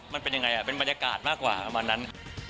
มันเป็นบรรยากาศมากกว่าประมาณนั้น